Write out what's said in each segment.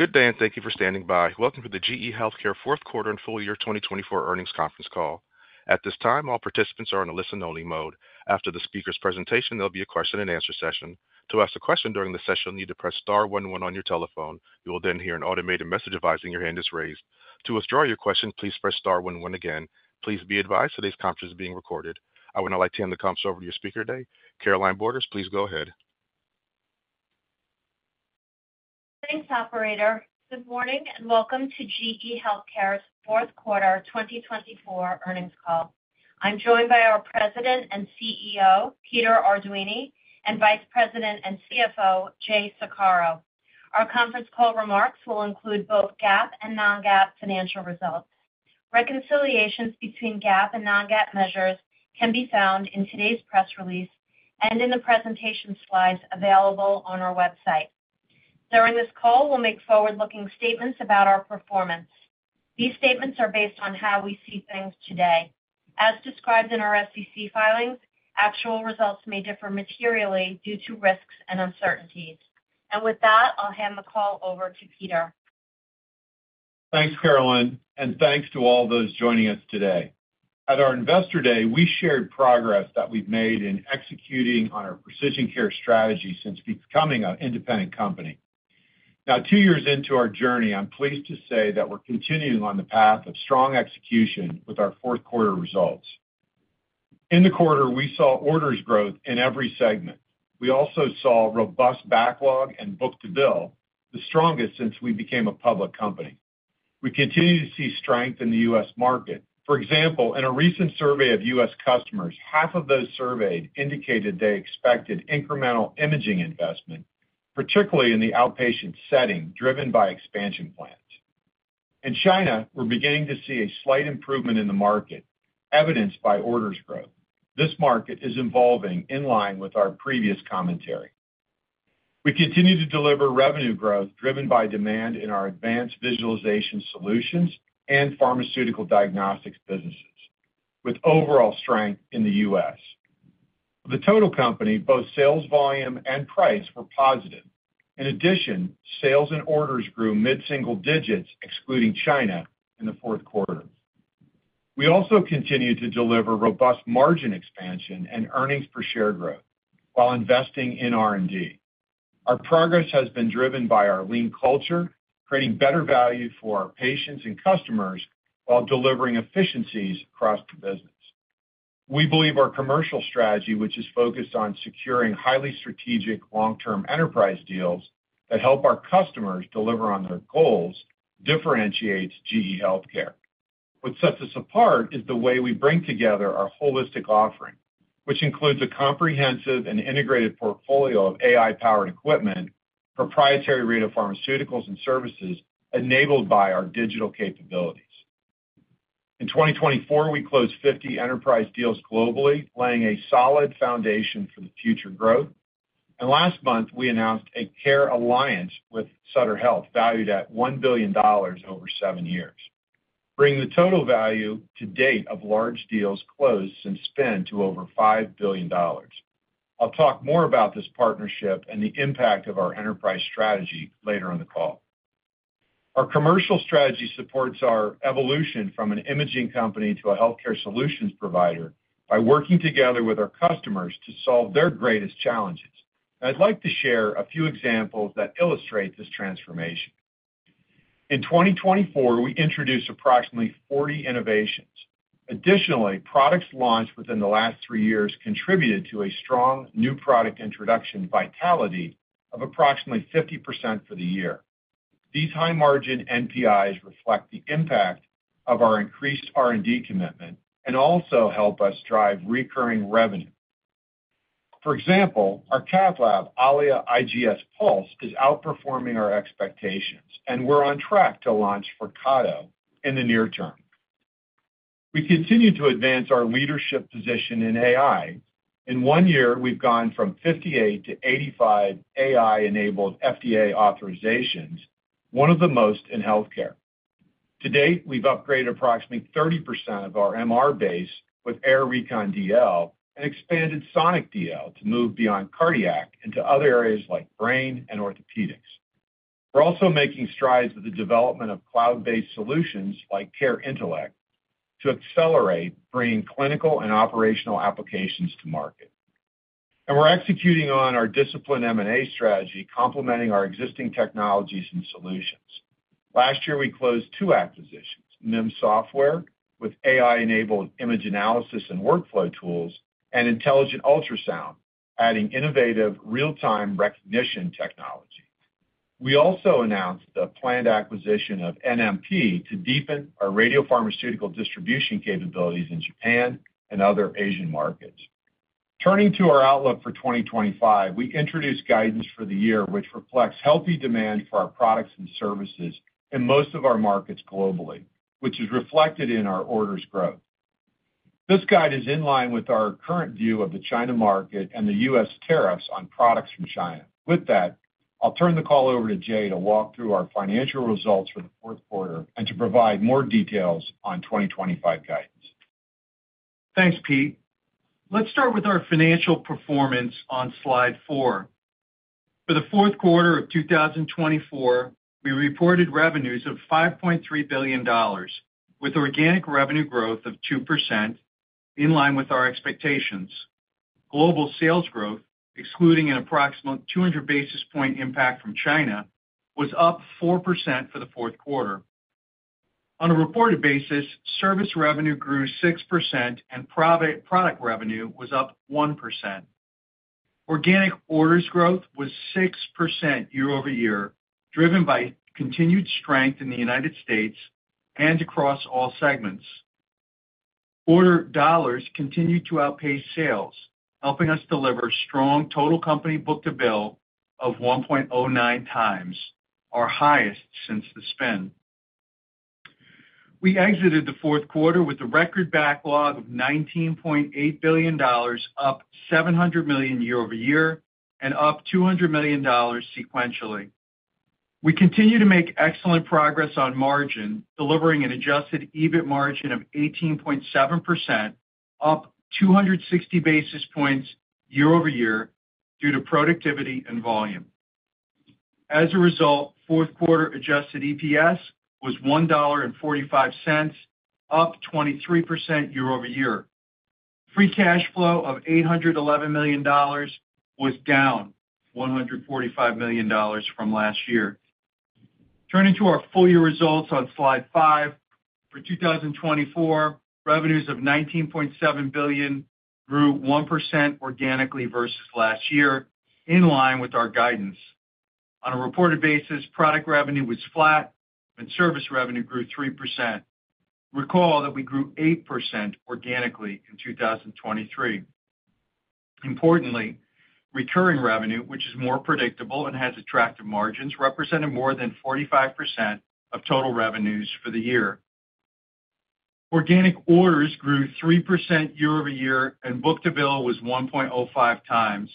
Good day, and thank you for standing by. Welcome to the GE HealthCare Q4 and Full Year 2024 Earnings Conference Call. At this time, all participants are in a listen-only mode. After the speaker's presentation, there'll be a question-and-answer session. To ask a question during the session, you need to press star one one on your telephone. You will then hear an automated message advising your hand is raised. To withdraw your question, please press star one one again. Please be advised today's conference is being recorded. I would now like to hand the conference over to your speaker today, Carolynne Borders. Please go ahead. Thanks, Operator. Good morning and welcome to GE HealthCare's Q4 2024 Earnings Call. I'm joined by our President and CEO, Peter Arduini, and Vice President and CFO, Jay Saccaro. Our conference call remarks will include both GAAP and non-GAAP financial results. Reconciliations between GAAP and non-GAAP measures can be found in today's press release and in the presentation slides available on our website. During this call, we'll make forward-looking statements about our performance. These statements are based on how we see things today. As described in our SEC filings, actual results may differ materially due to risks and uncertainties, and with that, I'll hand the call over to Peter. Thanks, Carolyn, and thanks to all those joining us today. At our Investor Day, we shared progress that we've made in executing on our precision care strategy since becoming an independent company. Now, two years into our journey, I'm pleased to say that we're continuing on the path of strong execution with our Q4 results. In the quarter, we saw orders growth in every segment. We also saw robust backlog and book-to-bill, the strongest since we became a public company. We continue to see strength in the U.S. market. For example, in a recent survey of U.S. customers, half of those surveyed indicated they expected incremental imaging investment, particularly in the outpatient setting, driven by expansion plans. In China, we're beginning to see a slight improvement in the market, evidenced by orders growth. This market is evolving in line with our previous commentary. We continue to deliver revenue growth driven by demand in our advanced visualization solutions and pharmaceutical diagnostics businesses, with overall strength in the U.S. For the total company, both sales volume and price were positive. In addition, sales and orders grew mid-single digits, excluding China, in the Q4. We also continue to deliver robust margin expansion and earnings per share growth while investing in R&D. Our progress has been driven by our lean culture, creating better value for our patients and customers while delivering efficiencies across the business. We believe our commercial strategy, which is focused on securing highly strategic long-term enterprise deals that help our customers deliver on their goals, differentiates GE HealthCare. What sets us apart is the way we bring together our holistic offering, which includes a comprehensive and integrated portfolio of AI-powered equipment, proprietary radiopharmaceuticals and services enabled by our digital capabilities. In 2024, we closed 50 enterprise deals globally, laying a solid foundation for the future growth, and last month, we announced a care alliance with Sutter Health, valued at $1 billion over seven years, bringing the total value to date of large deals closed since then to over $5 billion. I'll talk more about this partnership and the impact of our enterprise strategy later on the call. Our commercial strategy supports our evolution from an imaging company to a healthcare solutions provider by working together with our customers to solve their greatest challenges. I'd like to share a few examples that illustrate this transformation. In 2024, we introduced approximately 40 innovations. Additionally, products launched within the last three years contributed to a strong new product introduction vitality of approximately 50% for the year. These high-margin NPIs reflect the impact of our increased R&D commitment and also help us drive recurring revenue. For example, our cath lab, Allia IGS Pulse, is outperforming our expectations, and we're on track to launch Flyrcado in the near term. We continue to advance our leadership position in AI. In one year, we've gone from 58 to 85 AI-enabled FDA authorizations, one of the most in healthcare. To date, we've upgraded approximately 30% of our MR base with AIR Recon DL and expanded Sonic DL to move beyond cardiac into other areas like brain and orthopedics. We're also making strides with the development of cloud-based solutions like CareIntellect to accelerate bringing clinical and operational applications to market. And we're executing on our discipline M&A strategy, complementing our existing technologies and solutions. Last year, we closed two acquisitions: MIM Software with AI-enabled image analysis and workflow tools, and Intelligent Ultrasound, adding innovative real-time recognition technology. We also announced the planned acquisition of NMP to deepen our radiopharmaceutical distribution capabilities in Japan and other Asian markets. Turning to our outlook for 2025, we introduced guidance for the year, which reflects healthy demand for our products and services in most of our markets globally, which is reflected in our orders growth. This guidance is in line with our current view of the China market and the U.S. tariffs on products from China. With that, I'll turn the call over to Jay to walk through our financial results for the Q4 and to provide more details on 2025 guidance. Thanks, Pete. Let's start with our financial performance on slide four. For the Q4 of 2024, we reported revenues of $5.3 billion, with organic revenue growth of 2% in line with our expectations. Global sales growth, excluding an approximate 200 basis point impact from China, was up 4% for the Q4. On a reported basis, service revenue grew 6%, and product revenue was up 1%. Organic orders growth was 6% year over year, driven by continued strength in the United States and across all segments. Order dollars continued to outpace sales, helping us deliver strong total company book-to-bill of 1.09 times, our highest since the spin. We exited the Q4 with a record backlog of $19.8 billion, up $700 million year over year, and up $200 million sequentially. We continue to make excellent progress on margin, delivering an adjusted EBIT margin of 18.7%, up 260 basis points year over year due to productivity and volume. As a result, Q4 adjusted EPS was $1.45, up 23% year over year. Free cash flow of $811 million was down $145 million from last year. Turning to our full year results on slide five, for 2024, revenues of $19.7 billion grew 1% organically versus last year, in line with our guidance. On a reported basis, product revenue was flat, and service revenue grew 3%. Recall that we grew 8% organically in 2023. Importantly, recurring revenue, which is more predictable and has attractive margins, represented more than 45% of total revenues for the year. Organic orders grew 3% year over year, and book-to-bill was 1.05 times.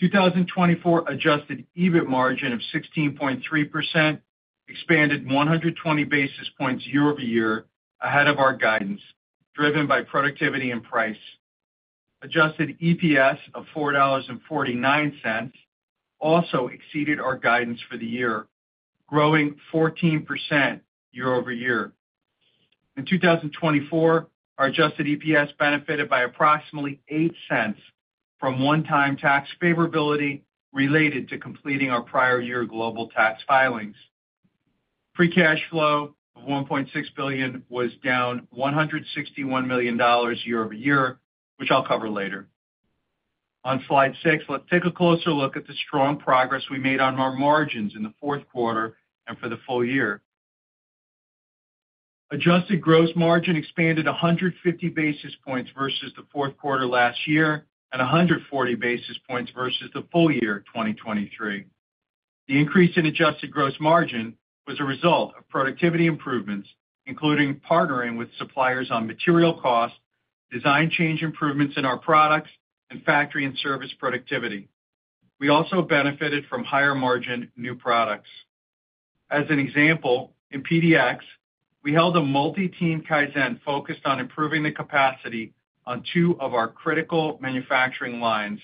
2024 adjusted EBIT margin of 16.3% expanded 120 basis points year over year ahead of our guidance, driven by productivity and price. Adjusted EPS of $4.49 also exceeded our guidance for the year, growing 14% year over year. In 2024, our adjusted EPS benefited by approximately 8 cents from one-time tax favorability related to completing our prior year global tax filings. Free cash flow of $1.6 billion was down $161 million year over year, which I'll cover later. On slide six, let's take a closer look at the strong progress we made on our margins in the Q4 and for the full year. Adjusted gross margin expanded 150 basis points versus the Q4 last year and 140 basis points versus the full year 2023. The increase in adjusted gross margin was a result of productivity improvements, including partnering with suppliers on material costs, design change improvements in our products, and factory and service productivity. We also benefited from higher margin new products. As an example, in PDX, we held a multi-team Kaizen focused on improving the capacity on two of our critical manufacturing lines.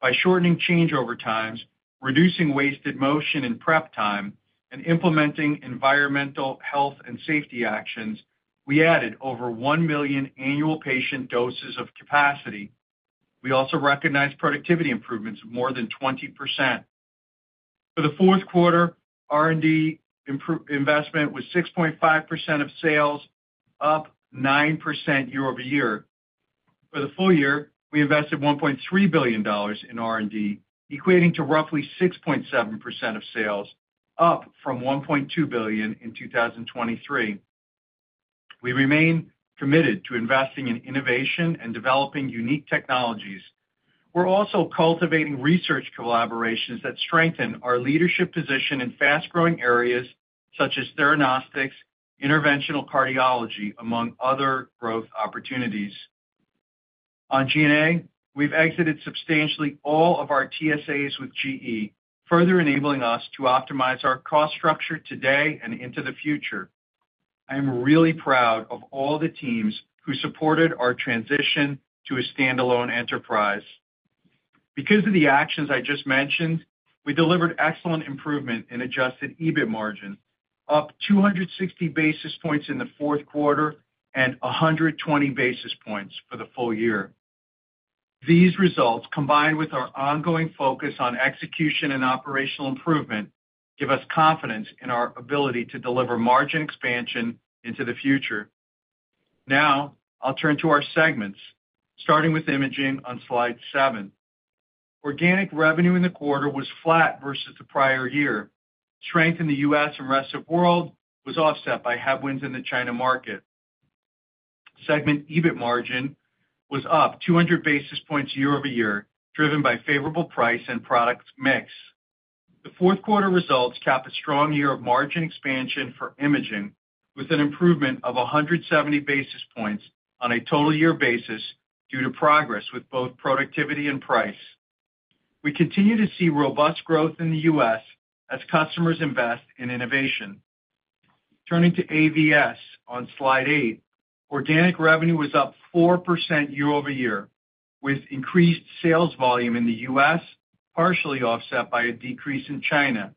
By shortening changeover times, reducing wasted motion and prep time, and implementing environmental health and safety actions, we added over 1 million annual patient doses of capacity. We also recognized productivity improvements of more than 20%. For the Q4, R&D investment was 6.5% of sales, up 9% year over year. For the full year, we invested $1.3 billion in R&D, equating to roughly 6.7% of sales, up from $1.2 billion in 2023. We remain committed to investing in innovation and developing unique technologies. We're also cultivating research collaborations that strengthen our leadership position in fast-growing areas such as theranostics, interventional cardiology, among other growth opportunities. On G&A, we've exited substantially all of our TSAs with GE, further enabling us to optimize our cost structure today and into the future. I am really proud of all the teams who supported our transition to a standalone enterprise. Because of the actions I just mentioned, we delivered excellent improvement in Adjusted EBIT margin, up 260 basis points in the Q4 and 120 basis points for the full year. These results, combined with our ongoing focus on execution and operational improvement, give us confidence in our ability to deliver margin expansion into the future. Now, I'll turn to our segments, starting with imaging on slide seven. Organic revenue in the quarter was flat versus the prior year. Strength in the U.S. and rest of the world was offset by headwinds in the China market. Segment EBIT margin was up 200 basis points year over year, driven by favorable price and product mix. The Q4 results capped a strong year of margin expansion for imaging, with an improvement of 170 basis points on a total year basis due to progress with both productivity and price. We continue to see robust growth in the U.S. as customers invest in innovation. Turning to AVS on slide eight, organic revenue was up 4% year over year, with increased sales volume in the U.S., partially offset by a decrease in China.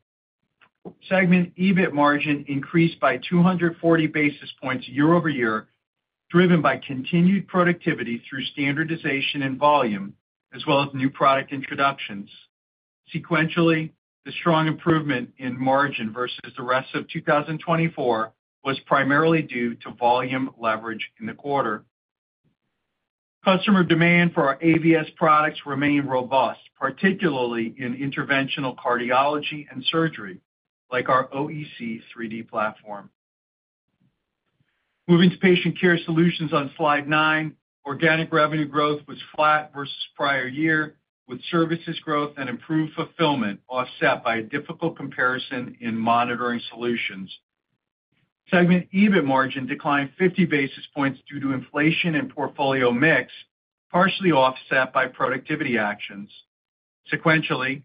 Segment EBIT margin increased by 240 basis points year over year, driven by continued productivity through standardization and volume, as well as new product introductions. Sequentially, the strong improvement in margin versus the rest of 2024 was primarily due to volume leverage in the quarter. Customer demand for our AVS products remained robust, particularly in interventional cardiology and surgery, like our OEC 3D platform. Moving to patient care solutions on slide nine, organic revenue growth was flat versus prior year, with services growth and improved fulfillment offset by a difficult comparison in monitoring solutions. Segment EBIT margin declined 50 basis points due to inflation and portfolio mix, partially offset by productivity actions. Sequentially,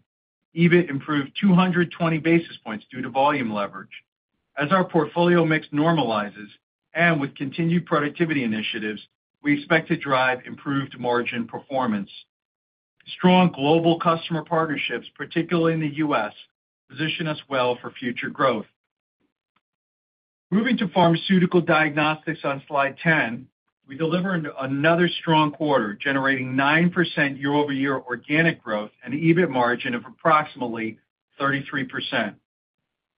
EBIT improved 220 basis points due to volume leverage. As our portfolio mix normalizes and with continued productivity initiatives, we expect to drive improved margin performance. Strong global customer partnerships, particularly in the U.S., position us well for future growth. Moving to pharmaceutical diagnostics on slide ten, we delivered another strong quarter, generating 9% year over year organic growth and EBIT margin of approximately 33%.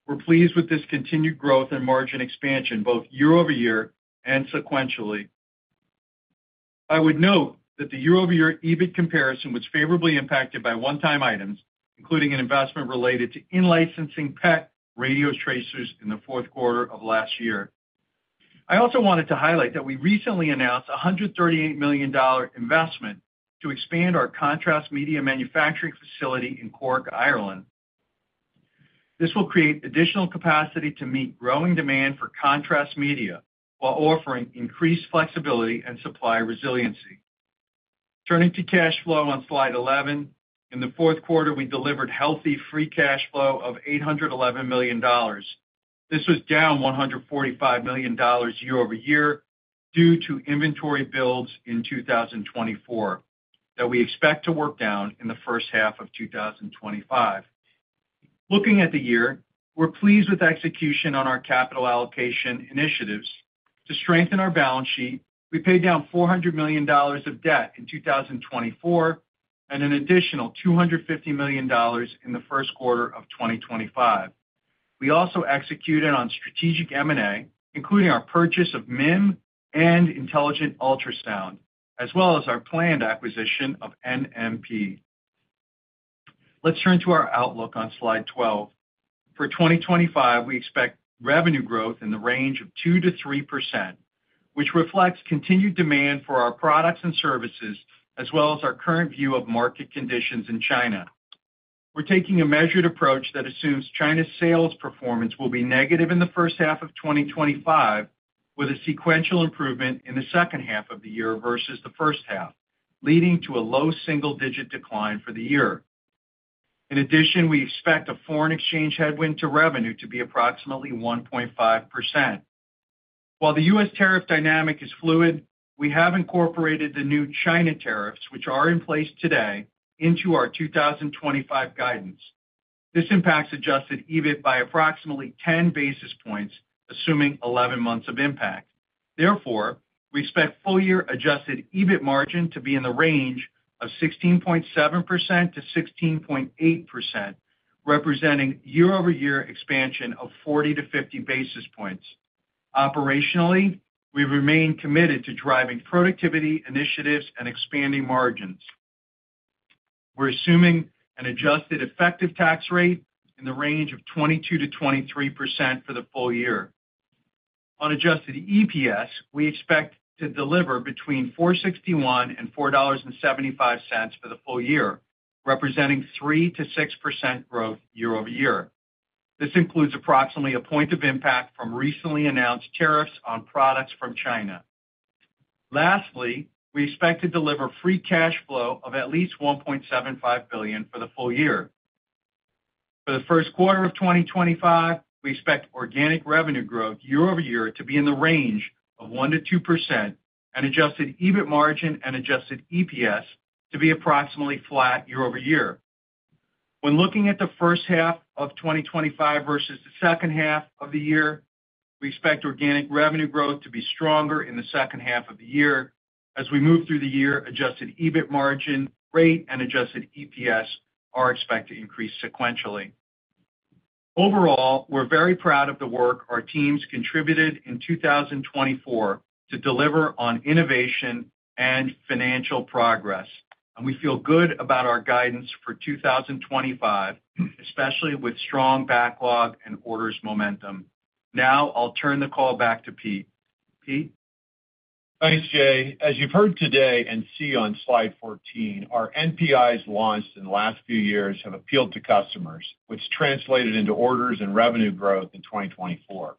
We're pleased with this continued growth and margin expansion, both year over year and sequentially. I would note that the year over year EBIT comparison was favorably impacted by one-time items, including an investment related to in-licensing PET radiotracers in the Q4 of last year. I also wanted to highlight that we recently announced a $138 million investment to expand our contrast media manufacturing facility in Cork, Ireland. This will create additional capacity to meet growing demand for contrast media while offering increased flexibility and supply resiliency. Turning to cash flow on slide eleven, in the Q4, we delivered healthy free cash flow of $811 million. This was down $145 million year over year due to inventory builds in 2024 that we expect to work down in the first half of 2025. Looking at the year, we're pleased with execution on our capital allocation initiatives. To strengthen our balance sheet, we paid down $400 million of debt in 2024 and an additional $250 million in the Q1 of 2025. We also executed on strategic M&A, including our purchase of MIM and Intelligent Ultrasound, as well as our planned acquisition of NMP. Let's turn to our outlook on slide 12. For 2025, we expect revenue growth in the range of 2% to 3%, which reflects continued demand for our products and services, as well as our current view of market conditions in China. We're taking a measured approach that assumes China's sales performance will be negative in the first half of 2025, with a sequential improvement in the second half of the year versus the first half, leading to a low single-digit decline for the year. In addition, we expect a foreign exchange headwind to revenue to be approximately 1.5%. While the U.S. tariff dynamic is fluid, we have incorporated the new China tariffs, which are in place today, into our 2025 guidance. This impacts adjusted EBIT by approximately 10 basis points, assuming 11 months of impact. Therefore, we expect full year adjusted EBIT margin to be in the range of 16.7% to 16.8%, representing year over year expansion of 40 to 50 basis points. Operationally, we remain committed to driving productivity initiatives and expanding margins. We're assuming an adjusted effective tax rate in the range of 22% to 23% for the full year. On adjusted EPS, we expect to deliver between $4.61 and $4.75 for the full year, representing 3% to 6% growth year over year. This includes approximately a point of impact from recently announced tariffs on products from China. Lastly, we expect to deliver free cash flow of at least $1.75 billion for the full year. For the Q1 of 2025, we expect organic revenue growth year over year to be in the range of 1% to 2%, and adjusted EBIT margin and adjusted EPS to be approximately flat year over year. When looking at the first half of 2025 versus the second half of the year, we expect organic revenue growth to be stronger in the second half of the year as we move through the year. Adjusted EBIT margin rate and adjusted EPS are expected to increase sequentially. Overall, we're very proud of the work our teams contributed in 2024 to deliver on innovation and financial progress, and we feel good about our guidance for 2025, especially with strong backlog and orders momentum. Now, I'll turn the call back to Pete. Pete. Thanks, Jay. As you've heard today and see on slide 14, our NPIs launched in the last few years have appealed to customers, which translated into orders and revenue growth in 2024.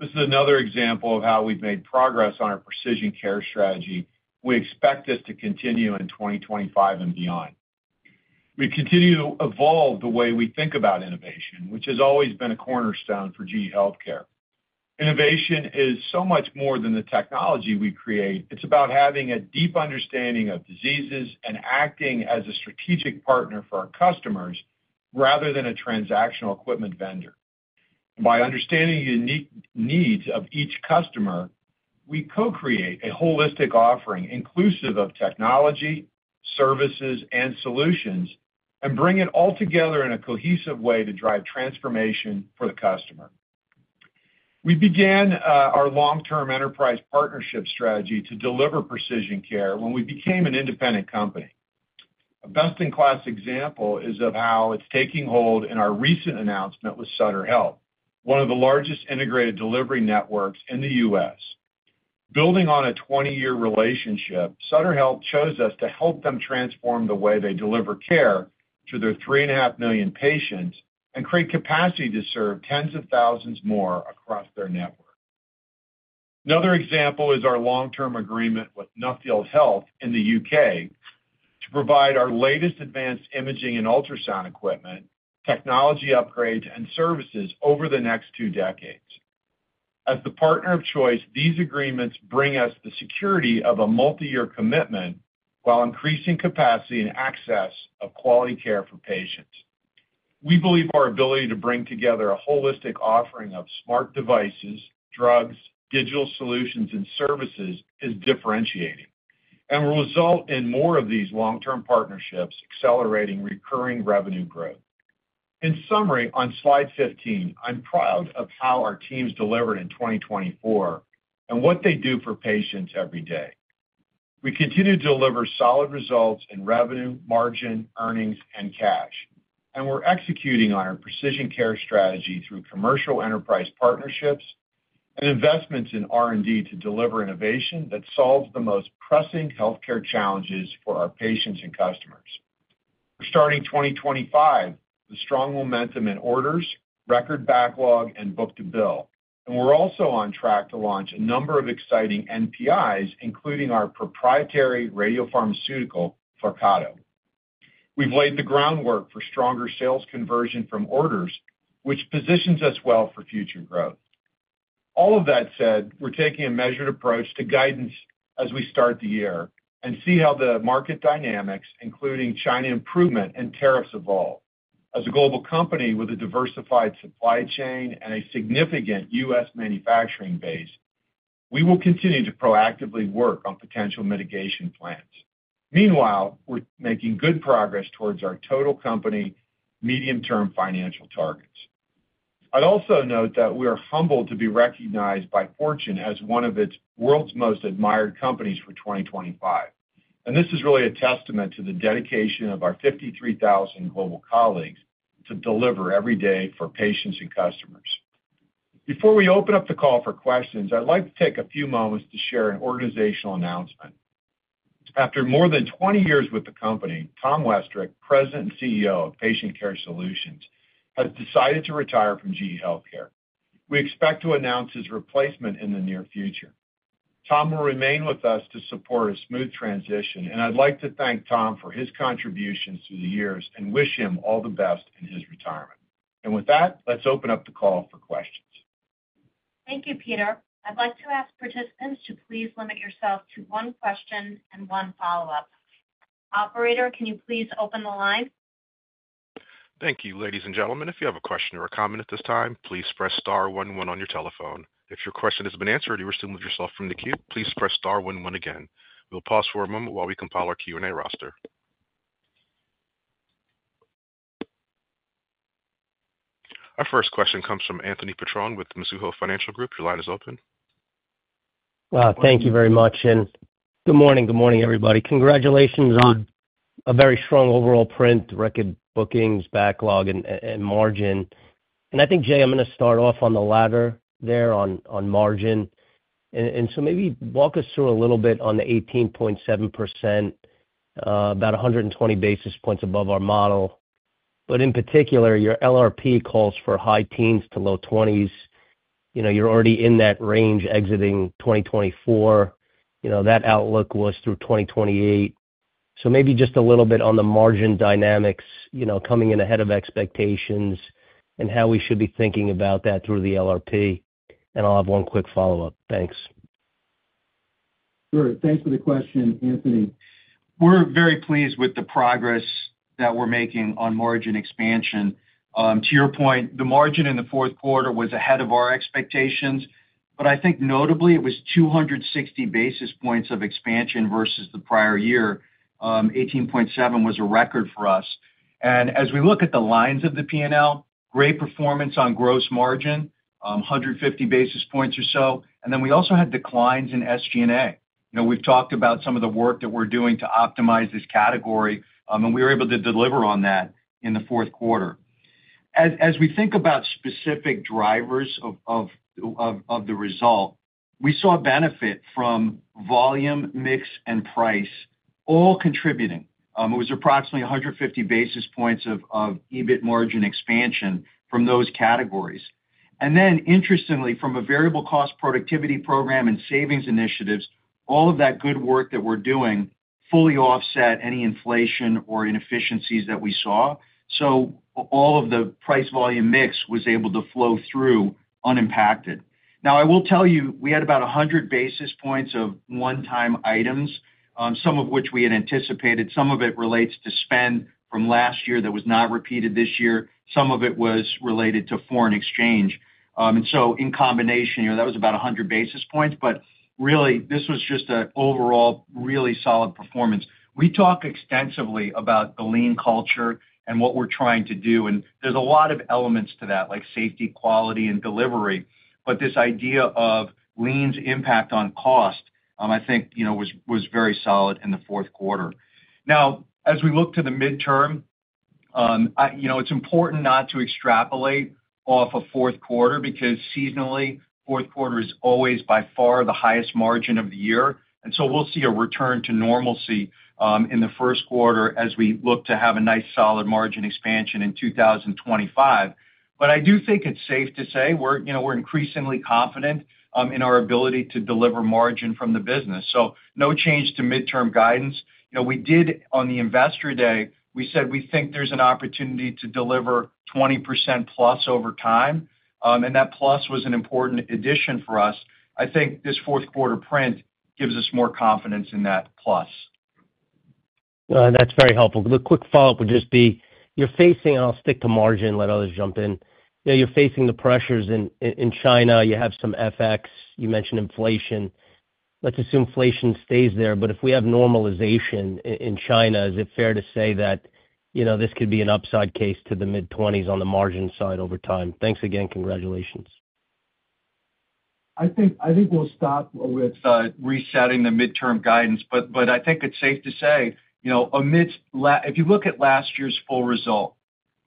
This is another example of how we've made progress on our precision care strategy. We expect this to continue in 2025 and beyond. We continue to evolve the way we think about innovation, which has always been a cornerstone for GE HealthCare. Innovation is so much more than the technology we create. It's about having a deep understanding of diseases and acting as a strategic partner for our customers rather than a transactional equipment vendor. By understanding the unique needs of each customer, we co-create a holistic offering inclusive of technology, services, and solutions, and bring it all together in a cohesive way to drive transformation for the customer. We began our long-term enterprise partnership strategy to deliver precision care when we became an independent company. A best-in-class example is of how it's taking hold in our recent announcement with Sutter Health, one of the largest integrated delivery networks in the U.S. Building on a 20-year relationship, Sutter Health chose us to help them transform the way they deliver care to their three and a half million patients and create capacity to serve tens of thousands more across their network. Another example is our long-term agreement wth Nuffield Health in the U.K. to provide our latest advanced imaging and ultrasound equipment, technology upgrades, and services over the next two decades. As the partner of choice, these agreements bring us the security of a multi-year commitment while increasing capacity and access of quality care for patients. We believe our ability to bring together a holistic offering of smart devices, drugs, digital solutions, and services is differentiating and will result in more of these long-term partnerships accelerating recurring revenue growth. In summary, on slide 15, I'm proud of how our teams delivered in 2024 and what they do for patients every day. We continue to deliver solid results in revenue, margin, earnings, and cash, and we're executing on our Precision care strategy through commercial enterprise partnerships and investments in R&D to deliver innovation that solves the most pressing healthcare challenges for our patients and customers. We're starting 2025 with strong momentum in orders, record backlog, and book-to-bill, and we're also on track to launch a number of exciting NPIs, including our proprietary radiopharmaceutical, Flyrcado. We've laid the groundwork for stronger sales conversion from orders, which positions us well for future growth. All of that said, we're taking a measured approach to guidance as we start the year and see how the market dynamics, including China improvement and tariffs, evolve. As a global company with a diversified supply chain and a significant U.S. manufacturing base, we will continue to proactively work on potential mitigation plans. Meanwhile, we're making good progress towards our total company medium-term financial targets. I'd also note that we are humbled to be recognized by Fortune as one of its world's most admired companies for 2025, and this is really a testament to the dedication of our 53,000 global colleagues to deliver every day for patients and customers. Before we open up the call for questions, I'd like to take a few moments to share an organizational announcement. After more than 20 years with the company, Tom Westrick, President and CEO of Patient Care Solutions, has decided to retire from GE HealthCare. We expect to announce his replacement in the near future. Tom will remain with us to support a smooth transition, and I'd like to thank Tom for his contributions through the years and wish him all the best in his retirement. And with that, let's open up the call for questions. Thank you, Peter. I'd like to ask participants to please limit yourself to one question and one follow-up. Operator, can you please open the line? Thank you, ladies and gentlemen. If you have a question or a comment at this time, please press star one one on your telephone. If your question has been answered or you wish to remove yourself from the queue, please press star one one again. We'll pause for a moment while we compile our Q&A roster. Our first question comes from Anthony Petrone with Mizuho Financial Group. Your line is open. Thank you very much, and good morning. Good morning, everybody. Congratulations on a very strong overall print, record bookings, backlog, and margin. And I think, Jay, I'm going to start off on the latter there on margin. And so maybe walk us through a little bit on the 18.7%, about 120 basis points above our model. But in particular, your LRP calls for high teens to low 20s. You're already in that range exiting 2024. That outlook was through 2028. So maybe just a little bit on the margin dynamics coming in ahead of expectations and how we should be thinking about that through the LRP. And I'll have one quick follow-up. Thanks. Sure. Thanks for the question, Anthony. We're very pleased with the progress that we're making on margin expansion. To your point, the margin in the Q4 was ahead of our expectations, but I think notably it was 260 basis points of expansion versus the prior year. 18.7% was a record for us. And as we look at the lines of the P&L, great performance on gross margin, 150 basis points or so. And then we also had declines in SG&A. We've talked about some of the work that we're doing to optimize this category, and we were able to deliver on that in the Q4. As we think about specific drivers of the result, we saw benefit from volume, mix, and price all contributing. It was approximately 150 basis points of EBIT margin expansion from those categories. And then, interestingly, from a variable cost productivity program and savings initiatives, all of that good work that we're doing fully offset any inflation or inefficiencies that we saw. So all of the price-volume mix was able to flow through unimpacted. Now, I will tell you, we had about 100 basis points of one-time items, some of which we had anticipated. Some of it relates to spend from last year that was not repeated this year. Some of it was related to foreign exchange. And so in combination, that was about 100 basis points. But really, this was just an overall really solid performance. We talk extensively about the Lean culture and what we're trying to do. And there's a lot of elements to that, like safety, quality, and delivery. But this idea of Lean's impact on cost, I think, was very solid in the Q4. Now, as we look to the midterm, it's important not to extrapolate off a Q4 because seasonally, Q4 is always by far the highest margin of the year. And so we'll see a return to normalcy in the Q1 as we look to have a nice solid margin expansion in 2025. But I do think it's safe to say we're increasingly confident in our ability to deliver margin from the business. So no change to midterm guidance. We did, on the investor day, we said we think there's an opportunity to deliver 20% plus over time. And that plus was an important addition for us. I think this Q4 print gives us more confidence in that plus. That's very helpful. The quick follow-up would just be you're facing. I'll stick to margin and let others jump in. You're facing the pressures in China. You have some FX. You mentioned inflation. Let's assume inflation stays there. But if we have normalization in China, is it fair to say that this could be an upside case to the mid-twenties on the margin side over time? Thanks again. Congratulations. I think we'll stop with resetting the midterm guidance. But I think it's safe to say, if you look at last year's full result,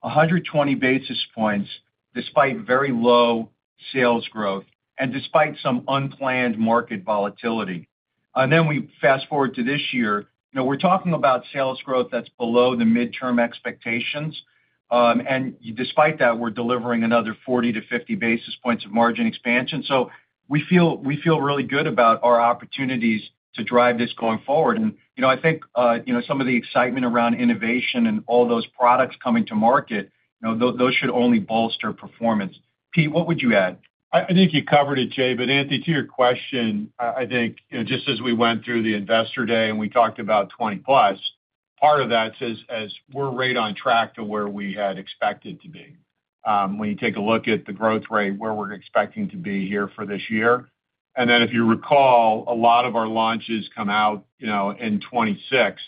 120 basis points despite very low sales growth and despite some unplanned market volatility. Then we fast forward to this year. We're talking about sales growth that's below the midterm expectations. Despite that, we're delivering another 40 to 50 basis points of margin expansion. We feel really good about our opportunities to drive this going forward. I think some of the excitement around innovation and all those products coming to market, those should only bolster performance. Pete, what would you add? I think you covered it, Jay. Anthony, to your question, I think just as we went through the investor day and we talked about 20 plus, part of that says we're right on track to where we had expected to be. When you take a look at the growth rate, where we're expecting to be here for this year. And then if you recall, a lot of our launches come out in 2026,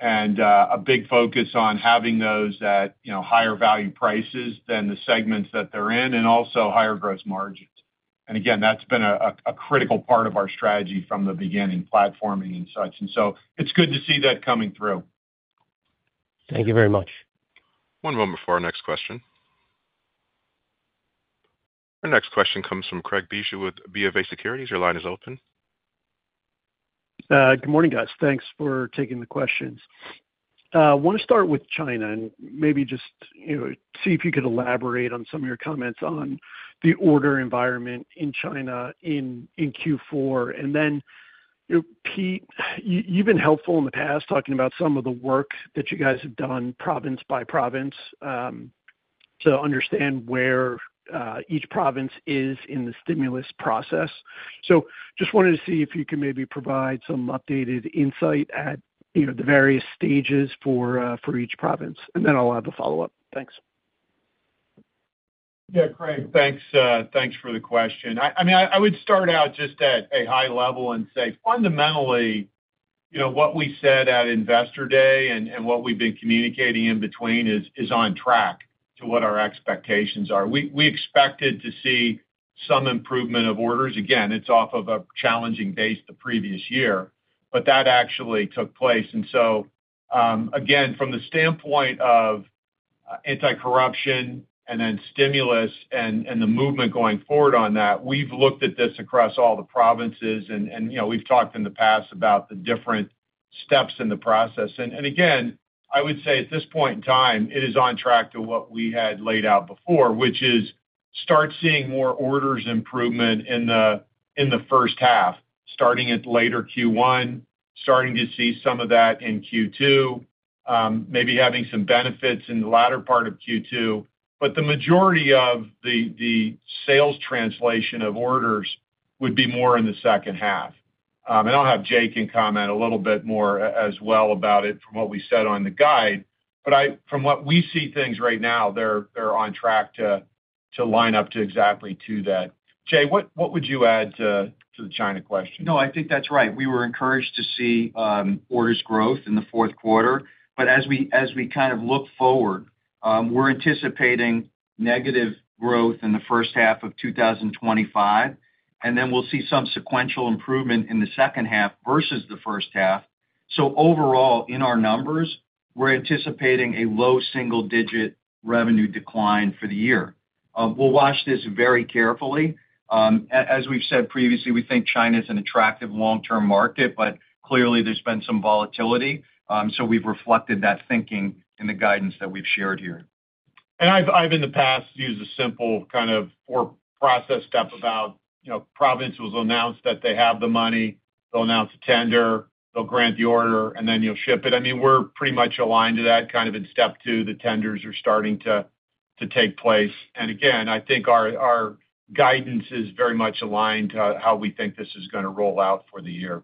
and a big focus on having those at higher value prices than the segments that they're in and also higher gross margins. And again, that's been a critical part of our strategy from the beginning, platforming and such. And so it's good to see that coming through. Thank you very much. One moment before our next question. Our next question comes from Craig Bijou with BofA Securities. Your line is open. Good morning, guys. Thanks for taking the questions. I want to start with China and maybe just see if you could elaborate on some of your comments on the order environment in China in Q4. And then, Pete, you've been helpful in the past talking about some of the work that you guys have done province by province to understand where each province is in the stimulus process. So just wanted to see if you could maybe provide some updated insight at the various stages for each province. And then I'll have a follow-up. Thanks. Yeah, Craig, thanks for the question. I mean, I would start out just at a high level and say, fundamentally, what we said at Investor Day and what we've been communicating in between is on track to what our expectations are. We expected to see some improvement of orders. Again, it's off of a challenging base the previous year, but that actually took place. Again, from the standpoint of anti-corruption and then stimulus and the movement going forward on that, we've looked at this across all the provinces, and we've talked in the past about the different steps in the process. Again, I would say at this point in time, it is on track to what we had laid out before, which is start seeing more orders improvement in the first half, starting at later Q1, starting to see some of that in Q2, maybe having some benefits in the latter part of Q2. The majority of the sales translation of orders would be more in the second half. I'll have Jay comment a little bit more as well about it from what we said on the guide. From what we see things right now, they're on track to line up exactly to that. Jay, what would you add to the China question? No, I think that's right. We were encouraged to see orders growth in the Q4. But as we kind of look forward, we're anticipating negative growth in the first half of 2025, and then we'll see some sequential improvement in the second half versus the first half. So overall, in our numbers, we're anticipating a low single-digit revenue decline for the year. We'll watch this very carefully. As we've said previously, we think China is an attractive long-term market, but clearly there's been some volatility. So we've reflected that thinking in the guidance that we've shared here. And I've, in the past, used a simple kind of process step about provinces will announce that they have the money, they'll announce a tender, they'll grant the order, and then you'll ship it. I mean, we're pretty much aligned to that kind of in step two. The tenders are starting to take place. And again, I think our guidance is very much aligned to how we think this is going to roll out for the year.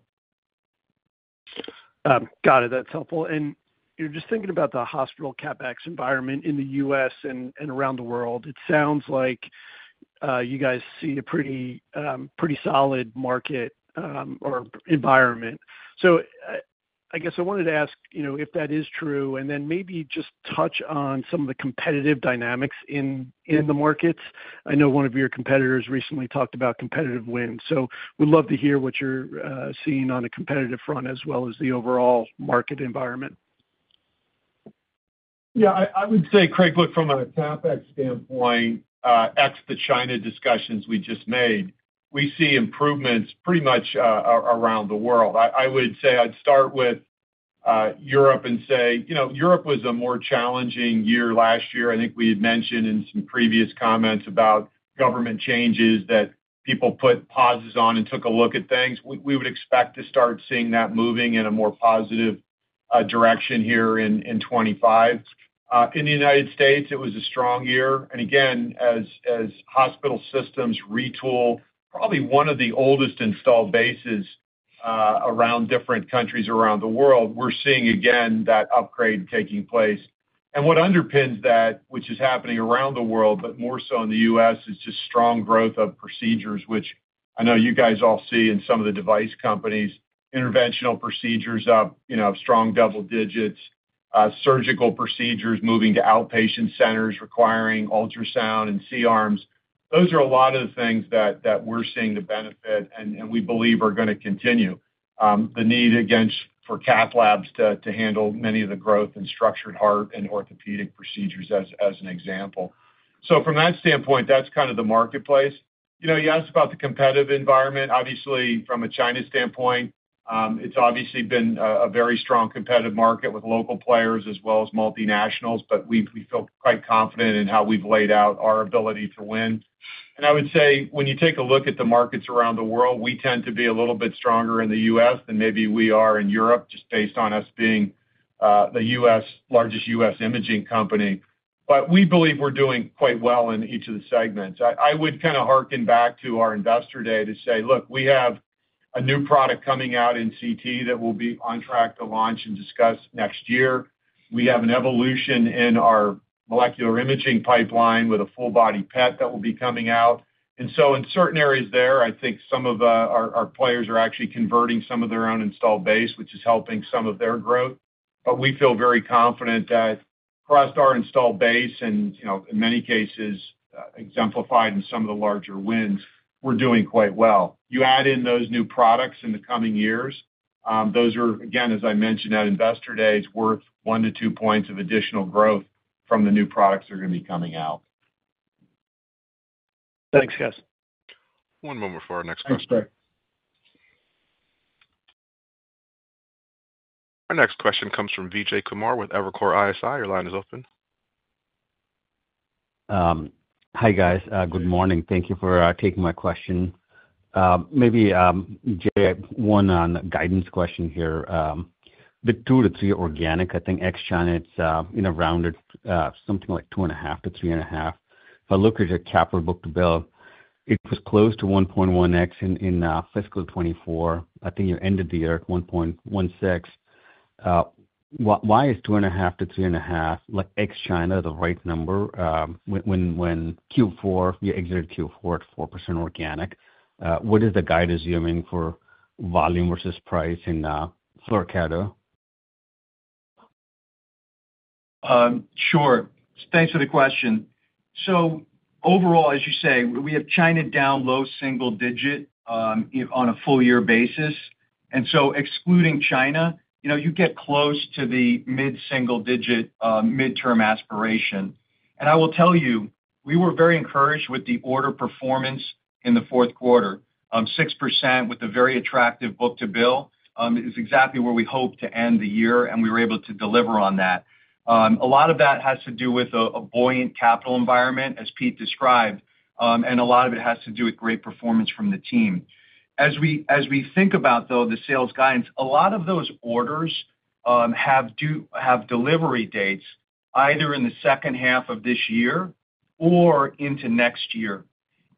Got it. That's helpful. And just thinking about the hospital CapEx environment in the U.S. and around the world, it sounds like you guys see a pretty solid market or environment. So I guess I wanted to ask if that is true, and then maybe just touch on some of the competitive dynamics in the markets. I know one of your competitors recently talked about competitive wins. So we'd love to hear what you're seeing on a competitive front as well as the overall market environment. Yeah, I would say, Craig, look, from a CapEx standpoint, ex the China discussions we just made, we see improvements pretty much around the world. I would say I'd start with Europe and say Europe was a more challenging year last year. I think we had mentioned in some previous comments about government changes that people put pauses on and took a look at things. We would expect to start seeing that moving in a more positive direction here in 2025. In the United States, it was a strong year. And again, as hospital systems retool, probably one of the oldest installed bases around different countries around the world, we're seeing again that upgrade taking place. What underpins that, which is happening around the world, but more so in the U.S., is just strong growth of procedures, which I know you guys all see in some of the device companies. Interventional procedures of strong double digits, surgical procedures moving to outpatient centers requiring ultrasound and C-arms. Those are a lot of the things that we're seeing the benefit and we believe are going to continue. The need, again, for cath labs to handle many of the growth in structural heart and orthopedic procedures as an example. So from that standpoint, that's kind of the marketplace. You asked about the competitive environment. Obviously, from a China standpoint, it's obviously been a very strong competitive market with local players as well as multinationals, but we feel quite confident in how we've laid out our ability to win. And I would say when you take a look at the markets around the world, we tend to be a little bit stronger in the U.S. than maybe we are in Europe just based on us being the largest U.S. imaging company. But we believe we're doing quite well in each of the segments. I would kind of hearken back to our investor day to say, "Look, we have a new product coming out in CT that will be on track to launch and discuss next year. We have an evolution in our molecular imaging pipeline with a full-body PET that will be coming out." And so in certain areas there, I think some of our players are actually converting some of their own installed base, which is helping some of their growth. But we feel very confident that across our installed base and in many cases exemplified in some of the larger wins, we're doing quite well. You add in those new products in the coming years, those are, again, as I mentioned, at investor days, worth one to two points of additional growth from the new products that are going to be coming out. Thanks, guys. One moment before our next question. Thanks, Craig. Our next question comes from Vijay Kumar with Evercore ISI. Your line is open. Hi, guys. Good morning. Thank you for taking my question. Maybe, Jay, one on the guidance question here. The two to three organic, I think ex-China, it's around something like two and a half to three and a half. If I look at your capital book-to-bill, it was close to 1.1x in fiscal 2024. I think you ended the year at 1.16. Why is 2.5% to 3.5%, ex-China, the right number when Q4, you exited Q4 at 4% organic? What is the guide assuming for volume versus price in Florida? Sure. Thanks for the question. So overall, as you say, we have China down low-single-digit on a full year basis. And so excluding China, you get close to the mid-single-digit midterm aspiration. And I will tell you, we were very encouraged with the order performance in the Q4. 6% with a very attractive book-to-bill is exactly where we hope to end the year, and we were able to deliver on that. A lot of that has to do with a buoyant capital environment, as Pete described, and a lot of it has to do with great performance from the team. As we think about, though, the sales guidance, a lot of those orders have delivery dates either in the second half of this year or into next year.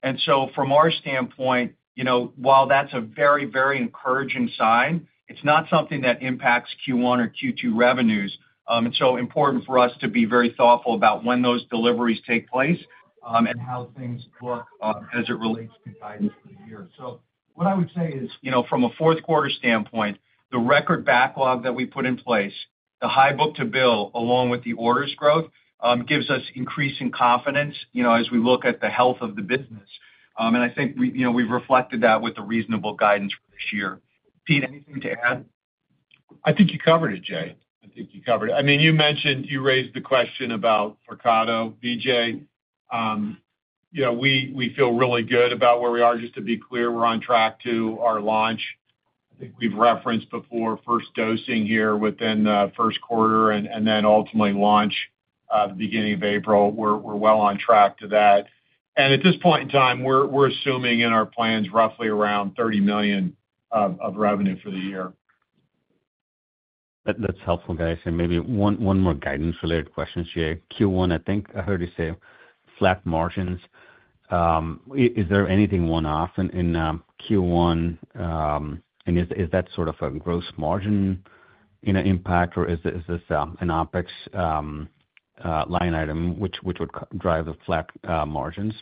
And so from our standpoint, while that's a very, very encouraging sign, it's not something that impacts Q1 or Q2 revenues. And so important for us to be very thoughtful about when those deliveries take place and how things look as it relates to guidance for the year. So what I would say is, from a Q4 standpoint, the record backlog that we put in place, the high book-to-bill, along with the orders growth, gives us increasing confidence as we look at the health of the business. And I think we've reflected that with a reasonable guidance for this year. Pete, anything to add? I think you covered it, Jay. I think you covered it. I mean, you mentioned you raised the question about Flyrcado. Vijay, we feel really good about where we are. Just to be clear, we're on track to our launch. I think we've referenced before first dosing here within the Q1 and then ultimately launch at the beginning of April. We're well on track to that. And at this point in time, we're assuming in our plans roughly around $30 million of revenue for the year. That's helpful, guys. And maybe one more guidance-related question, Jay. Q1, I think I heard you say flat margins. Is there anything one-off in Q1? And is that sort of a gross margin impact, or is this an OpEx line item which would drive the flat margins?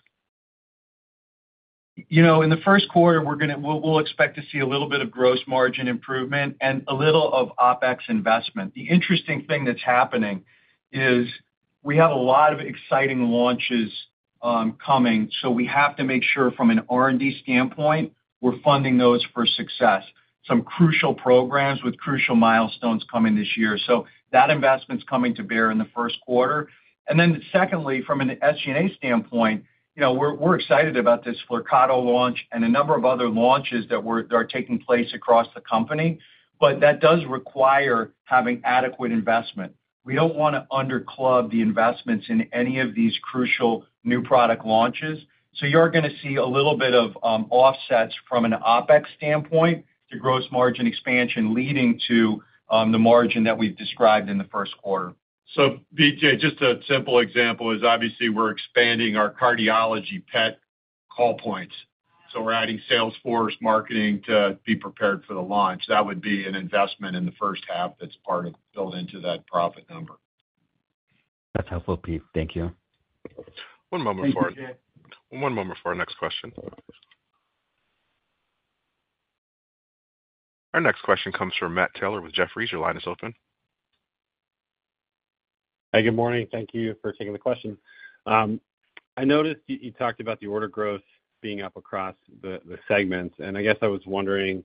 In the Q1, we'll expect to see a little bit of gross margin improvement and a little of OpEx investment. The interesting thing that's happening is we have a lot of exciting launches coming, so we have to make sure from an R&D standpoint, we're funding those for success. Some crucial programs with crucial milestones coming this year. So that investment's coming to bear in the Q1. And then secondly, from an SG&A standpoint, we're excited about this Flyrcado launch and a number of other launches that are taking place across the company. But that does require having adequate investment. We don't want to underclub the investments in any of these crucial new product launches. So you're going to see a little bit of offsets from an OpEx standpoint to gross margin expansion leading to the margin that we've described in the Q1. So Vijay, just a simple example is obviously we're expanding our cardiology PET call points. So we're adding sales force marketing to be prepared for the launch. That would be an investment in the first half that's built into that profit number. That's helpful, Pete. Thank you. One moment for our next question. Our next question comes from Matt Taylor with Jefferies. Line is open. Hi, good morning. Thank you for taking the question. I noticed you talked about the order growth being up across the segments, and I guess I was wondering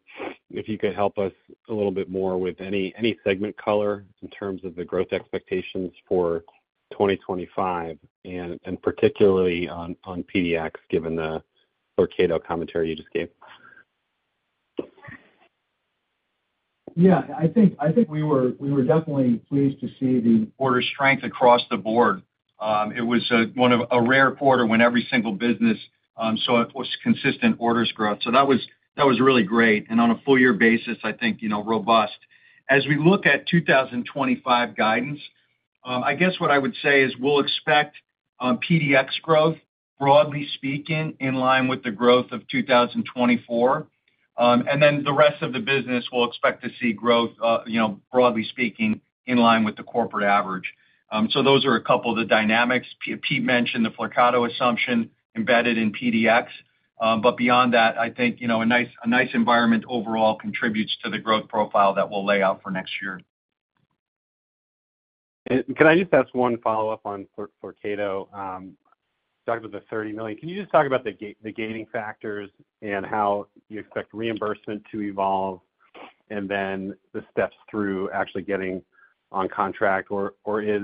if you could help us a little bit more with any segment color in terms of the growth expectations for 2025, and particularly on PDX, given the Flyrcado commentary you just gave. Yeah, I think we were definitely pleased to see the order strength across the board. It was one of a rare quarter when every single business saw consistent orders growth. So that was really great. On a full year basis, I think robust. As we look at 2025 guidance, I guess what I would say is we'll expect PDX growth, broadly speaking, in line with the growth of 2024. And then the rest of the business, we'll expect to see growth, broadly speaking, in line with the corporate average. So those are a couple of the dynamics. Pete mentioned the Flyrcado assumption embedded in PDX. But beyond that, I think a nice environment overall contributes to the growth profile that we'll lay out for next year. Can I just ask one follow-up on Flyrcado? You talked about the $30 million. Can you just talk about the gating factors and how you expect reimbursement to evolve and then the steps through actually getting on contract? Or is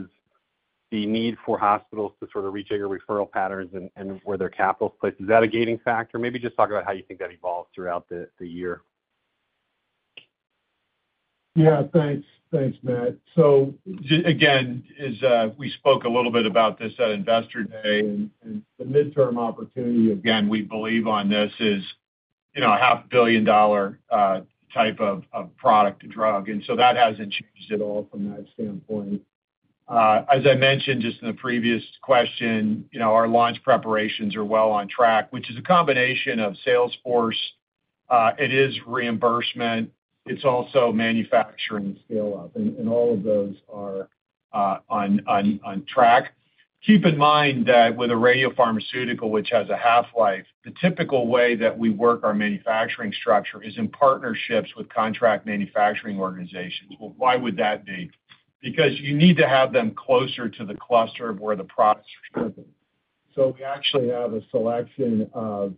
the need for hospitals to sort of reach your referral patterns and where their capital's placed, is that a gating factor? Maybe just talk about how you think that evolves throughout the year. Yeah, thanks. Thanks, Matt. So again, we spoke a little bit about this at Investor Day. The mid-term opportunity, again, we believe on this is a $500 million type of product and drug. That hasn't changed at all from that standpoint. As I mentioned just in the previous question, our launch preparations are well on track, which is a combination of sales force. It is reimbursement. It's also manufacturing scale-up. All of those are on track. Keep in mind that with a radiopharmaceutical, which has a half-life, the typical way that we work our manufacturing structure is in partnerships with contract manufacturing organizations. Well, why would that be? Because you need to have them closer to the cluster of where the products are shipping, so we actually have a selection of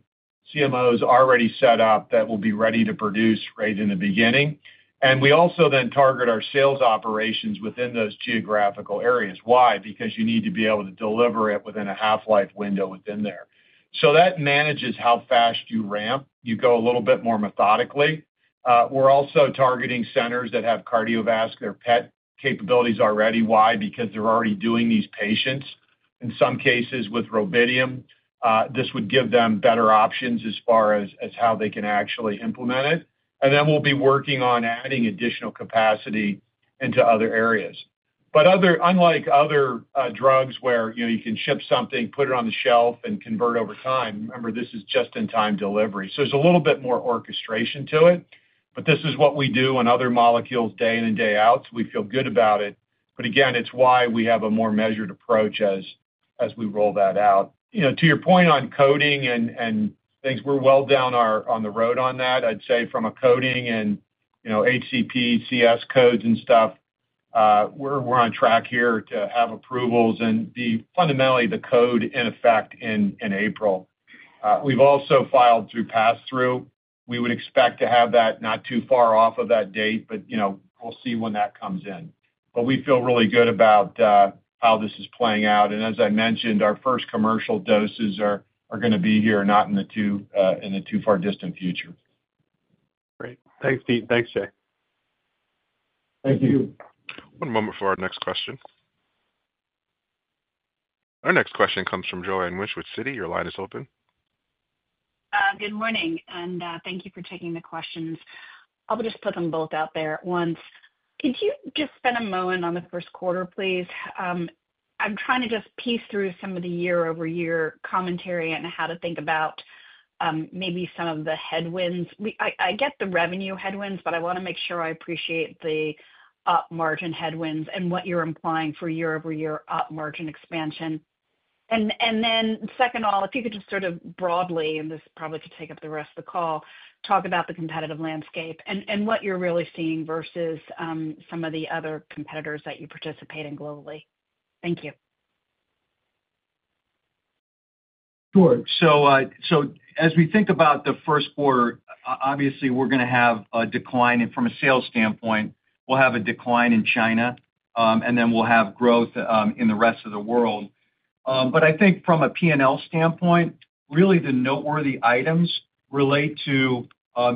CMOs already set up that will be ready to produce right in the beginning, and we also then target our sales operations within those geographical areas. Why? Because you need to be able to deliver it within a half-life window within there, so that manages how fast you ramp. You go a little bit more methodically. We're also targeting centers that have cardiovascular PET capabilities already. Why? Because they're already doing these patients. In some cases with rubidium, this would give them better options as far as how they can actually implement it, and then we'll be working on adding additional capacity into other areas. But unlike other drugs where you can ship something, put it on the shelf, and convert over time, remember, this is just-in-time delivery. So there's a little bit more orchestration to it. But this is what we do on other molecules day in and day out. So we feel good about it. But again, it's why we have a more measured approach as we roll that out. To your point on coding and things, we're well down on the road on that. I'd say from a coding and HCPCS codes and stuff, we're on track here to have approvals and be fundamentally the code in effect in April. We've also filed through pass-through. We would expect to have that not too far off of that date, but we'll see when that comes in. But we feel really good about how this is playing out. As I mentioned, our first commercial doses are going to be here, not in the too far distant future. Great. Thanks, Pete. Thanks, Jay. Thank you. One moment for our next question. Our next question comes from Joanne Wuensch, Citi. Your line is open. Good morning. Thank you for taking the questions. I'll just put them both out there at once. Could you just spend a moment on the Q1, please? I'm trying to just piece through some of the year-over-year commentary and how to think about maybe some of the headwinds. I get the revenue headwinds, but I want to make sure I appreciate the up-margin headwinds and what you're implying for year-over-year up-margin expansion. And then second of all, if you could just sort of broadly, and this probably could take up the rest of the call, talk about the competitive landscape and what you're really seeing versus some of the other competitors that you participate in globally. Thank you. Sure. So as we think about the Q1, obviously, we're going to have a decline. And from a sales standpoint, we'll have a decline in China, and then we'll have growth in the rest of the world. But I think from a P&L standpoint, really the noteworthy items relate to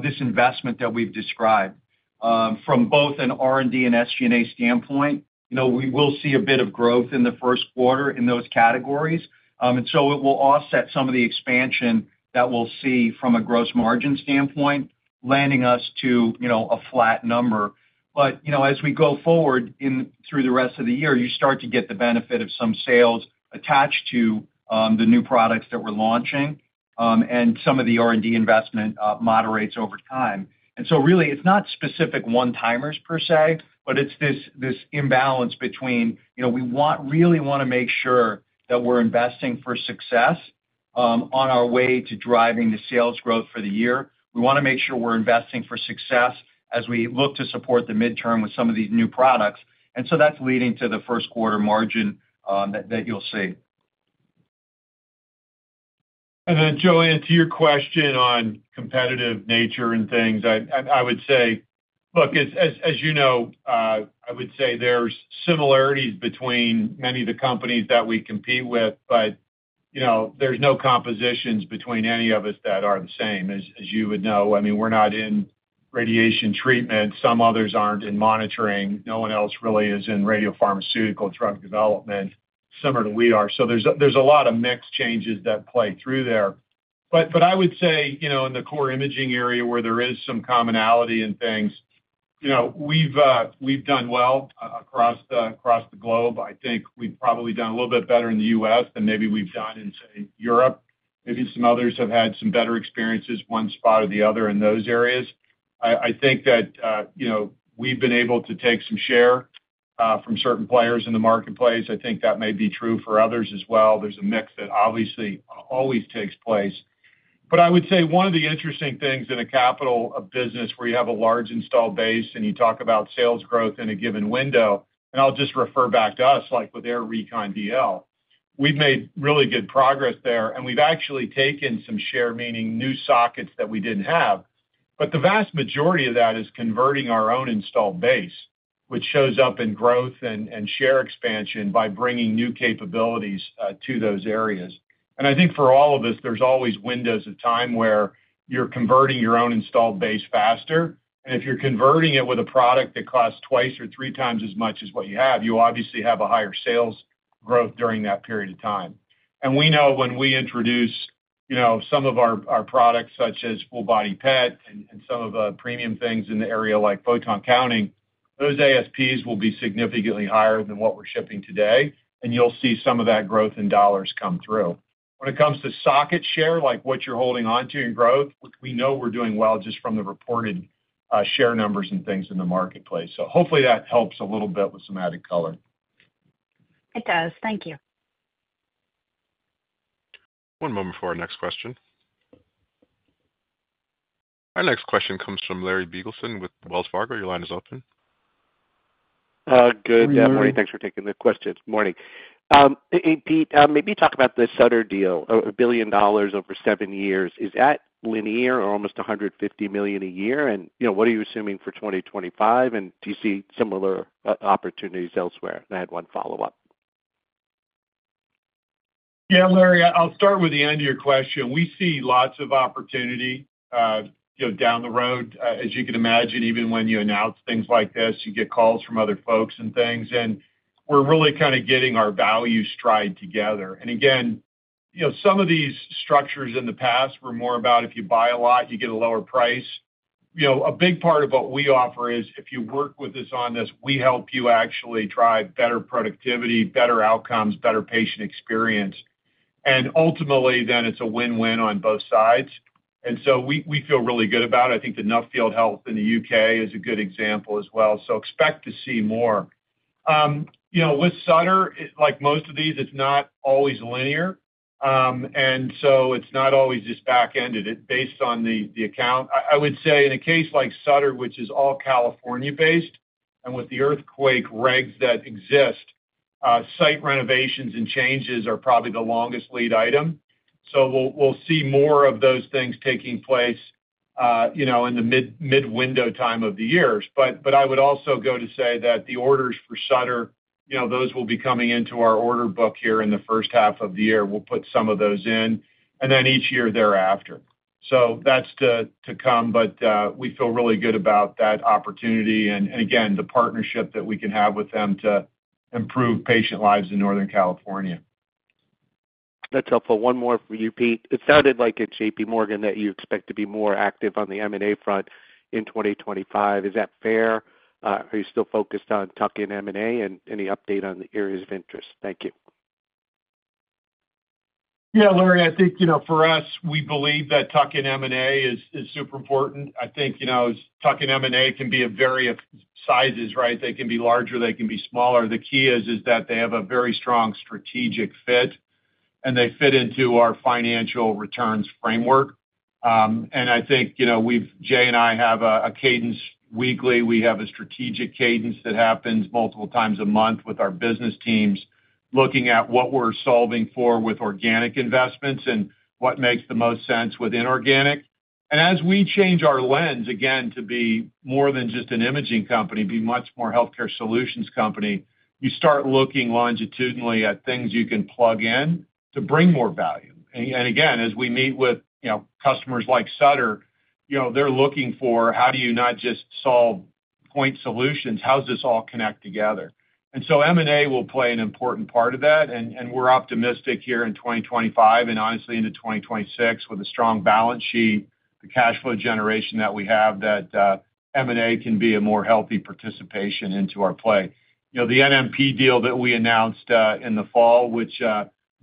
this investment that we've described. From both an R&D and SG&A standpoint, we will see a bit of growth in the Q1 in those categories. And so it will offset some of the expansion that we'll see from a gross margin standpoint, landing us to a flat number. But as we go forward through the rest of the year, you start to get the benefit of some sales attached to the new products that we're launching, and some of the R&D investment moderates over time. And so really, it's not specific one-timers per se, but it's this imbalance between we really want to make sure that we're investing for success on our way to driving the sales growth for the year. We want to make sure we're investing for success as we look to support the midterm with some of these new products. And so that's leading to the Q1 margin that you'll see. And then, Joanne, to your question on competitive nature and things, I would say, look, as you know, I would say there's similarities between many of the companies that we compete with, but there's no compositions between any of us that are the same, as you would know. I mean, we're not in radiation treatment. Some others aren't in monitoring. No one else really is in radiopharmaceutical drug development, similar to we are. So there's a lot of mixed changes that play through there. But I would say in the core imaging area where there is some commonality in things, we've done well across the globe. I think we've probably done a little bit better in the U.S. than maybe we've done in, say, Europe. Maybe some others have had some better experiences one spot or the other in those areas. I think that we've been able to take some share from certain players in the marketplace. I think that may be true for others as well. There's a mix that obviously always takes place. But I would say one of the interesting things in a capital business where you have a large installed base and you talk about sales growth in a given window, and I'll just refer back to us with AIR Recon DL, we've made really good progress there. And we've actually taken some share, meaning new sockets that we didn't have. But the vast majority of that is converting our own installed base, which shows up in growth and share expansion by bringing new capabilities to those areas. And I think for all of us, there's always windows of time where you're converting your own installed base faster. And if you're converting it with a product that costs twice or three times as much as what you have, you obviously have a higher sales growth during that period of time. And we know when we introduce some of our products, such as full-body PET and some of the premium things in the area like photon counting, those ASPs will be significantly higher than what we're shipping today. And you'll see some of that growth in dollars come through. When it comes to market share, like what you're holding onto in growth, we know we're doing well just from the reported share numbers and things in the marketplace. So hopefully that helps a little bit with some added color. It does. Thank you. One moment for our next question. Our next question comes from Larry Biegelsen with Wells Fargo. Your line is open. Good morning. Thanks for taking the question. Morning. Hey, Pete, maybe talk about the Sutter deal, $1 billion over seven years. Is that linear or almost $150 million a year? And what are you assuming for 2025? And do you see similar opportunities elsewhere? And I had one follow-up. Yeah, Larry, I'll start with the end of your question. We see lots of opportunity down the road. As you can imagine, even when you announce things like this, you get calls from other folks and things. And we're really kind of getting our value stride together. And again, some of these structures in the past were more about if you buy a lot, you get a lower price. A big part of what we offer is if you work with us on this, we help you actually drive better productivity, better outcomes, better patient experience. Ultimately, then it's a win-win on both sides. And so we feel really good about it. I think the Nuffield Health in the U.K. is a good example as well. So expect to see more. With Sutter, like most of these, it's not always linear. And so it's not always just back-ended. It's based on the account. I would say in a case like Sutter, which is all California-based and with the earthquake regs that exist, site renovations and changes are probably the longest lead item. So we'll see more of those things taking place in the mid-window time of the years. But I would also go to say that the orders for Sutter, those will be coming into our order book here in the first half of the year. We'll put some of those in, and then each year thereafter. So that's to come. But we feel really good about that opportunity. And again, the partnership that we can have with them to improve patient lives in Northern California. That's helpful. One more for you, Pete. It sounded like at JPMorgan that you expect to be more active on the M&A front in 2025. Is that fair? Are you still focused on tuck-in M&A and any update on the areas of interest? Thank you. Yeah, Larry, I think for us, we believe that tuck-in M&A is super important. I think tuck-in M&A can be of various sizes, right? They can be larger. They can be smaller. The key is that they have a very strong strategic fit, and they fit into our financial returns framework. And I think Jay and I have a cadence weekly. We have a strategic cadence that happens multiple times a month with our business teams looking at what we're solving for with organic investments and what makes the most sense with inorganic, and as we change our lens, again, to be more than just an imaging company, be much more healthcare solutions company, you start looking longitudinally at things you can plug in to bring more value, and again, as we meet with customers like Sutter, they're looking for how do you not just solve point solutions? How does this all connect together, and so M&A will play an important part of that, and we're optimistic here in 2025 and honestly into 2026 with a strong balance sheet, the cash flow generation that we have that M&A can be a more healthy participation into our play. The NMP deal that we announced in the fall, which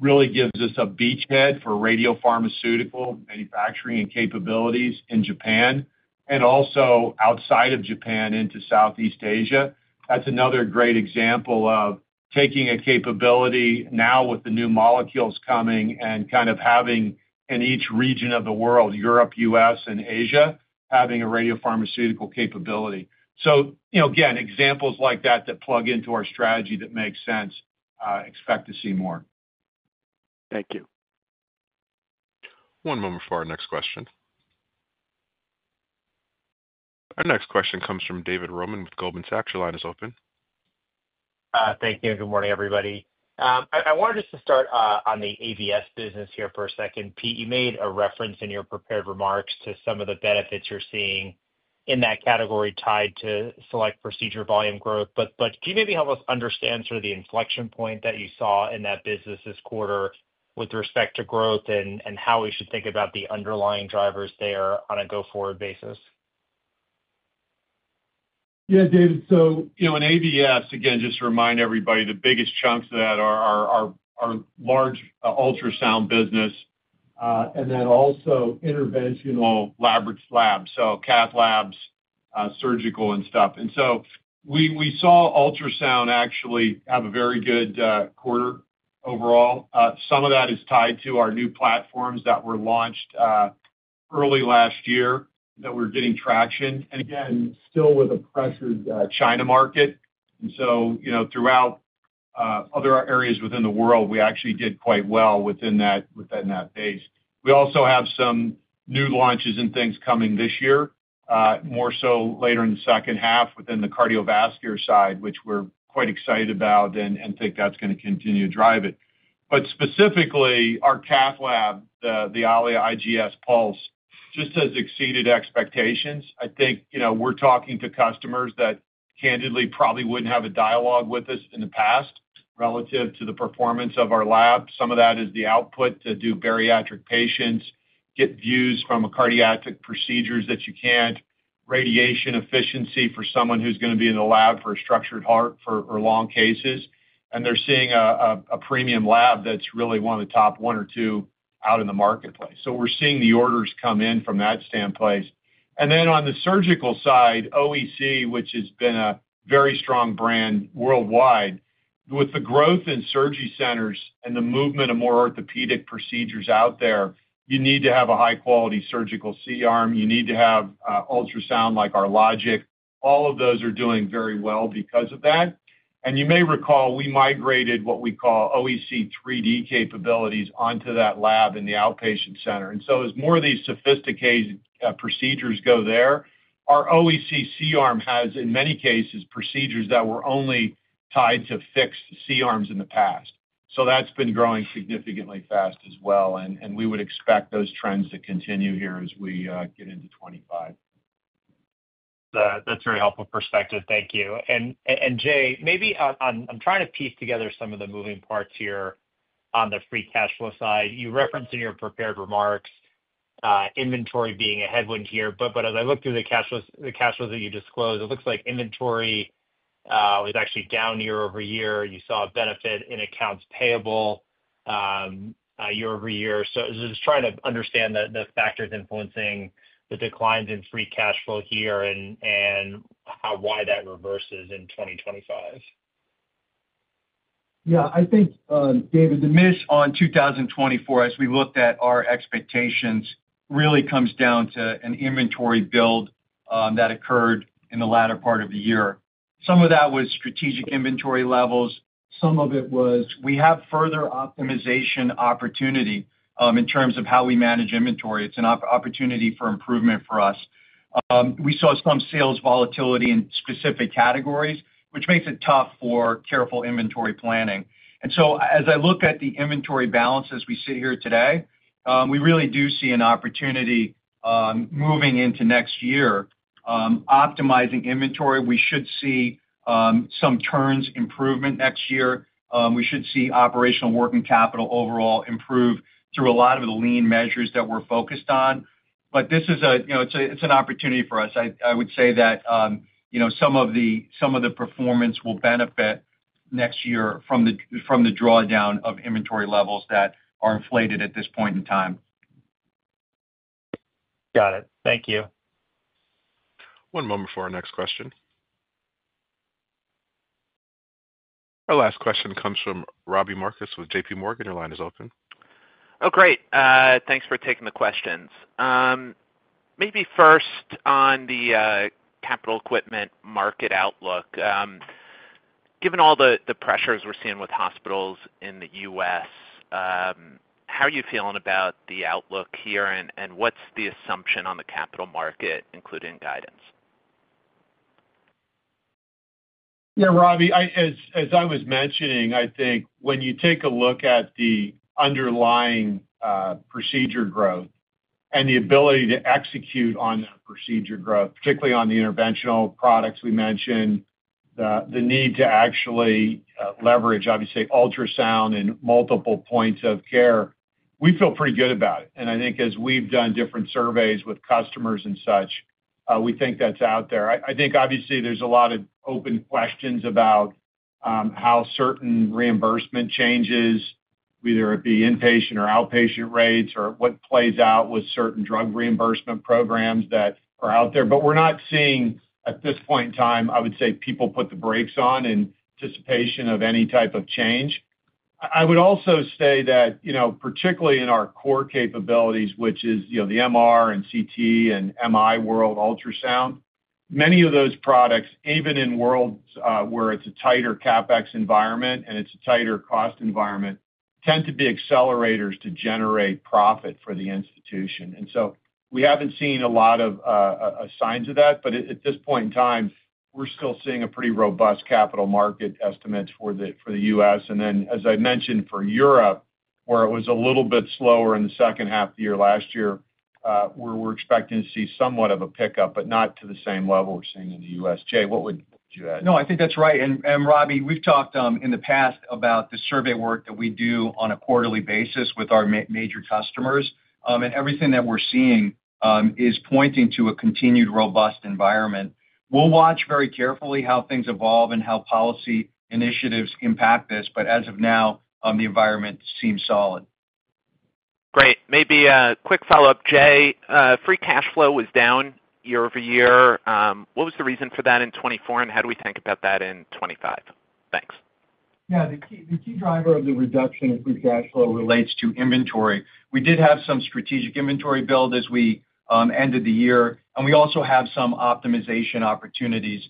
really gives us a beachhead for radiopharmaceutical manufacturing and capabilities in Japan and also outside of Japan into Southeast Asia. That's another great example of taking a capability now with the new molecules coming and kind of having in each region of the world, Europe, U.S., and Asia, having a radiopharmaceutical capability. So again, examples like that that plug into our strategy that makes sense. Expect to see more. Thank you. One moment for our next question. Our next question comes from David Roman with Goldman Sachs. Your line is open. Thank you. Good morning, everybody. I wanted just to start on the AVS business here for a second. Pete, you made a reference in your prepared remarks to some of the benefits you're seeing in that category tied to select procedure volume growth. But can you maybe help us understand sort of the inflection point that you saw in that business this quarter with respect to growth and how we should think about the underlying drivers there on a go-forward basis? Yeah, David. So in AVS, again, just to remind everybody, the biggest chunks of that are large ultrasound business and then also interventional labs, so cath labs, surgical, and stuff. And so we saw ultrasound actually have a very good quarter overall. Some of that is tied to our new platforms that were launched early last year that we're getting traction. And again, still with a pressured China market. And so throughout other areas within the world, we actually did quite well within that base. We also have some new launches and things coming this year, more so later in the second half within the cardiovascular side, which we're quite excited about and think that's going to continue to drive it. But specifically, our cath lab, the Allia IGS Pulse, just has exceeded expectations. I think we're talking to customers that candidly probably wouldn't have a dialogue with us in the past relative to the performance of our lab. Some of that is the output to do bariatric patients, get views from cardiac procedures that you can't, radiation efficiency for someone who's going to be in the lab for a structural heart for long cases. And they're seeing a premium lab that's really one of the top one or two out in the marketplace. So we're seeing the orders come in from that standpoint. Then on the surgical side, OEC, which has been a very strong brand worldwide, with the growth in surgery centers and the movement of more orthopedic procedures out there, you need to have a high-quality surgical C-arm. You need to have ultrasound like our LOGIQ. All of those are doing very well because of that. You may recall we migrated what we call OEC 3D capabilities onto that lab in the outpatient center. So as more of these sophisticated procedures go there, our OEC C-arm has in many cases procedures that were only tied to fixed C-arms in the past. That's been growing significantly fast as well. We would expect those trends to continue here as we get into 2025. That's very helpful perspective. Thank you. And Jay, maybe I'm trying to piece together some of the moving parts here on the free cash flow side. You referenced in your prepared remarks inventory being a headwind here. But as I look through the cash flows that you disclosed, it looks like inventory was actually down year over year. You saw a benefit in accounts payable year over year. So I was just trying to understand the factors influencing the declines in free cash flow here and why that reverses in 2025. Yeah. I think, David, the miss on 2024, as we looked at our expectations, really comes down to an inventory build that occurred in the latter part of the year. Some of that was strategic inventory levels. Some of it was we have further optimization opportunity in terms of how we manage inventory. It's an opportunity for improvement for us. We saw some sales volatility in specific categories, which makes it tough for careful inventory planning. So as I look at the inventory balances we sit here today, we really do see an opportunity moving into next year. Optimizing inventory, we should see some turns improvement next year. We should see operational working capital overall improve through a lot of the lean measures that we're focused on. But this is an opportunity for us. I would say that some of the performance will benefit next year from the drawdown of inventory levels that are inflated at this point in time. Got it. Thank you. One moment for our next question. Our last question comes from Robbie Marcus with JPMorgan. Your line is open. Oh, great. Thanks for taking the questions. Maybe first on the capital equipment market outlook. Given all the pressures we're seeing with hospitals in the U.S., how are you feeling about the outlook here and what's the assumption on the capital market, including guidance? Yeah, Robbie, as I was mentioning, I think when you take a look at the underlying procedure growth and the ability to execute on that procedure growth, particularly on the interventional products we mentioned, the need to actually leverage, obviously, ultrasound and multiple points of care, we feel pretty good about it, and I think as we've done different surveys with customers and such, we think that's out there. I think obviously there's a lot of open questions about how certain reimbursement changes, whether it be inpatient or outpatient rates or what plays out with certain drug reimbursement programs that are out there. But we're not seeing, at this point in time, I would say, people put the brakes on in anticipation of any type of change. I would also say that particularly in our core capabilities, which is the MR and CT and MI world ultrasound, many of those products, even in worlds where it's a tighter CapEx environment and it's a tighter cost environment, tend to be accelerators to generate profit for the institution. And so we haven't seen a lot of signs of that. But at this point in time, we're still seeing a pretty robust capital market estimates for the U.S. And then, as I mentioned, for Europe, where it was a little bit slower in the second half of the year last year, we're expecting to see somewhat of a pickup, but not to the same level we're seeing in the U.S. Jay, what would you add? No, I think that's right. And Robbie, we've talked in the past about the survey work that we do on a quarterly basis with our major customers. And everything that we're seeing is pointing to a continued robust environment. We'll watch very carefully how things evolve and how policy initiatives impact this. But as of now, the environment seems solid. Great. Maybe a quick follow-up, Jay. Free cash flow was down year over year. What was the reason for that in 2024, and how do we think about that in 2025? Thanks. Yeah. The key driver of the reduction in free cash flow relates to inventory. We did have some strategic inventory build as we ended the year. And we also have some optimization opportunities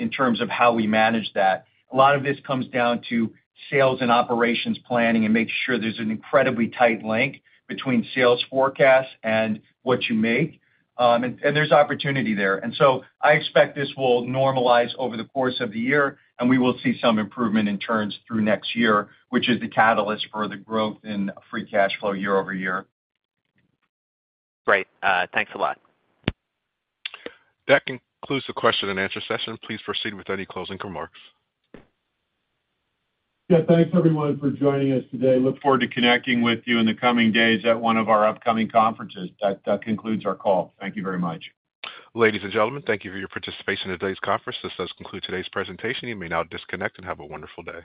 in terms of how we manage that. A lot of this comes down to sales and operations planning and making sure there's an incredibly tight link between sales forecasts and what you make, and there's opportunity there, and so I expect this will normalize over the course of the year, and we will see some improvement in turns through next year, which is the catalyst for the growth in free cash flow year over year. Great. Thanks a lot. That concludes the question and answer session. Please proceed with any closing remarks. Yeah. Thanks, everyone, for joining us today. Look forward to connecting with you in the coming days at one of our upcoming conferences. That concludes our call. Thank you very much. Ladies and gentlemen, thank you for your participation in today's conference. This does conclude today's presentation. You may now disconnect and have a wonderful day.